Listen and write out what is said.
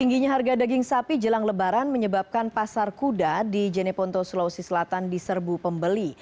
tingginya harga daging sapi jelang lebaran menyebabkan pasar kuda di jeneponto sulawesi selatan diserbu pembeli